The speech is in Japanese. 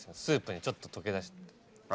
スープにちょっと溶け出して。